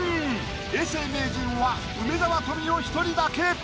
永世名人は梅沢富美男１人だけ。